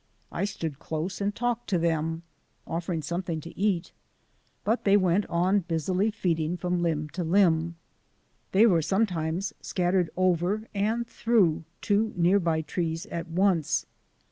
I stood close and talked to them, offering something to eat, but they went on busily feeding from limb to limb. They were sometimes scattered over and through two near by trees at once.